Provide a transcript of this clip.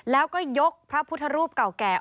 แล้วก็ยกพระพุทธรูปเก่าแก่